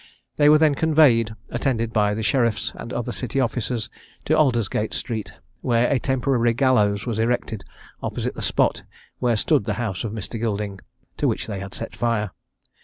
They were then conveyed, attended by the Sheriffs and other City officers, to Aldersgate street, where a temporary gallows was erected opposite the spot where stood the house of Mr. Gilding, to which they had set fire.